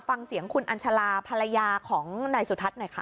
ฟังเสียงคุณอัญชาลาภรรยาของนายสุทัศน์หน่อยค่ะ